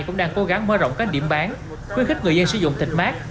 cũng đang cố gắng mở rộng các điểm bán khuyến khích người dân sử dụng thịt mát